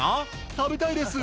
「食べたいです」